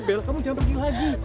bella jangan pergi lagi